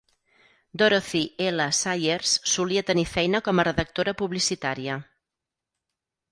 Dorothy L Sayers solia tenir feina com a redactora publicitària